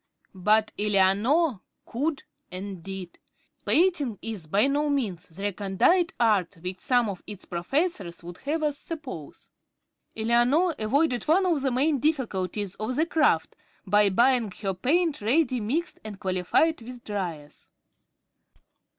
But Eleanor could and did. Painting is by no means the recondite art which some of its professors would have us suppose. Eleanor avoided one of the main difficulties of the craft, by buying her paint ready mixed and qualified with "dryers."